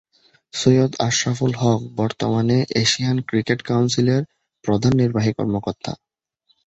সৈয়দ আশরাফুল হক বর্তমানে Asian cricket কাউন্সিলের প্রধান নির্বাহী কর্মকর্তা।